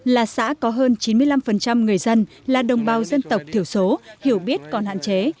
là xã có hơn chín mươi năm người dân là đồng bào dân tộc thiểu số hiểu biết còn hạn chế